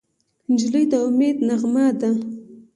نجلۍ د امید نغمه ده.